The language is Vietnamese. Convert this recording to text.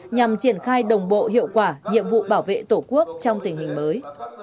nhằm triển khai đồng bộ hiệu quả nhiệm vụ bảo vệ tổ quốc trong tình hình mới